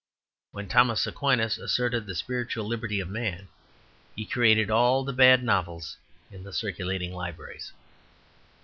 When Thomas Aquinas asserted the spiritual liberty of man, he created all the bad novels in the circulating libraries.